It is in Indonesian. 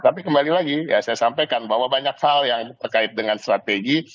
tapi kembali lagi ya saya sampaikan bahwa banyak hal yang terkait dengan strategi